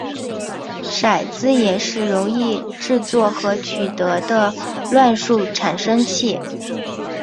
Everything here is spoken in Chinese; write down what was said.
骰子也是容易制作和取得的乱数产生器。